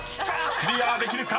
［クリアできるか？